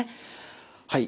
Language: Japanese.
はい。